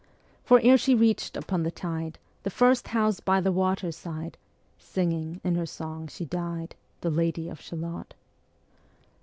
For ere she reach'd upon the tide The first house by the water side, Singing in her song she died, Ā Ā The Lady of Shalott.